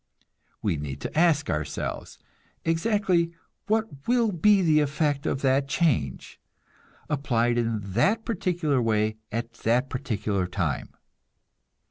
We need to ask ourselves, exactly what will be the effect of that change, applied in that particular way at that particular time.